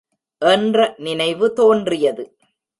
என்ற நினைவு தோன்றியது.